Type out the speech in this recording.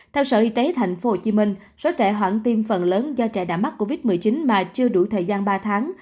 theo sở y tế tp hcm số trẻ hoãn tiêm phần lớn do trẻ đã mắc covid một mươi chín mà chưa đủ thời gian ba tháng